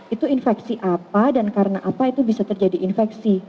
itu infeksi apa dan karena apa itu bisa terjadi infeksi